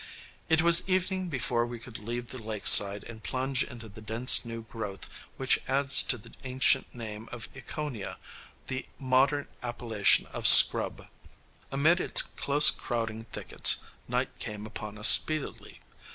It was evening before we could leave the lakeside and plunge into the dense new growth which adds to the ancient name of Ekoniah the modern appellation of "Scrub." Amid its close crowding thickets night came upon us speedily.